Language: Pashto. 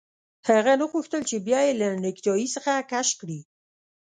هغه نه غوښتل چې بیا یې له نیکټايي څخه کش کړي